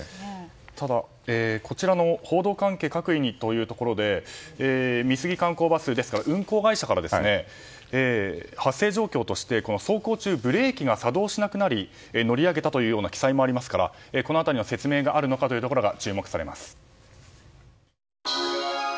ただ、こちらの報道関係各位にということで美杉観光バス、ですから運行会社から、発生状況として走行中ブレーキが作動しなくなり乗り上げたという記載もありますからこの辺りの説明があるのかが注目されます。